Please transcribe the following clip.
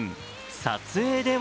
撮影では